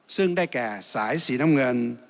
ซึ่งได้แก่สายสีน้ำเงิน